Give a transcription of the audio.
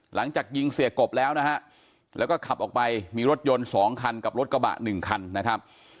หลังจากยิงเสียกบแล้วนะฮะแล้วก็ขับออกไปมีรถยนต์๒คันกับรถกระบะหนึ่งคันนะครับ